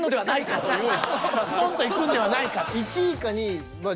スポンッといくんではないか。